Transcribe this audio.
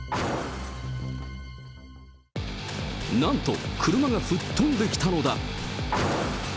なんと、車が吹っ飛んできたのだ。